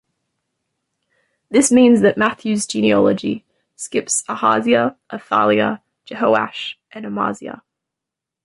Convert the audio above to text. This means that Matthew's genealogy skips Ahaziah, Athaliah, Jehoash, and Amaziah.